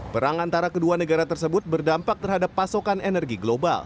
perang antara kedua negara tersebut berdampak terhadap pasokan energi global